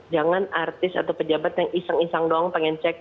jangan artis atau pejabat yang iseng iseng doang pengen cek